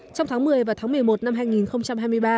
trong tháng một mươi và tháng một mươi một năm hai nghìn hai mươi ba